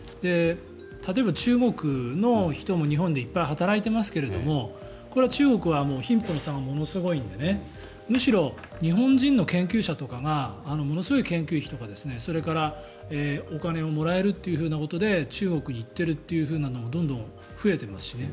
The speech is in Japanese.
例えば、中国の人も日本でいっぱい働いていますけどこれは中国は貧富の差がものすごいのでむしろ日本人の研究者とかがものすごい研究費とかそれからお金をもらえるということで中国に行っているというのがどんどん増えていますしね。